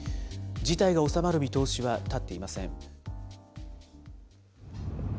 事態が収まる見通しは立っていません。